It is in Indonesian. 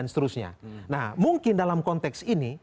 nah mungkin dalam konteks ini